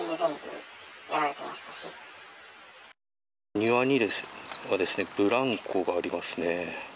庭にブランコがありますね。